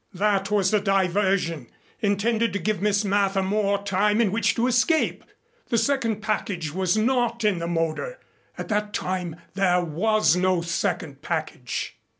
"That was a diversion intended to give Miss Mather more time in which to escape. The second package was not in the motor. At that time there was no second package."